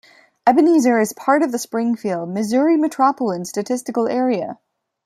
Ebenezer is part of the Springfield, Missouri Metropolitan Statistical Area.